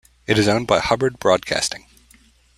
It is owned by Hubbard Broadcasting.